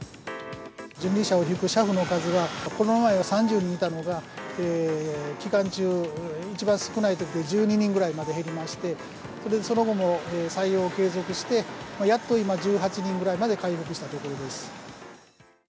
人力車を引く車夫の数が、コロナ前は３０人いたのが、期間中、一番少ないときで１２人ぐらいまで減りまして、その後も採用を継続して、やっと今、１８人ぐらいまで回復したところです。